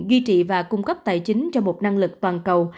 duy trì và cung cấp tài chính cho một năng lực toàn cầu